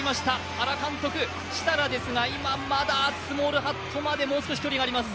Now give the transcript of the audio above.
原監督、設楽ですが今まだスモールハットまで距離があります。